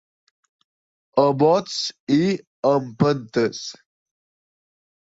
A bots i empentes.